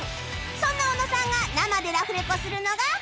そんな小野さんが生でラフレコするのが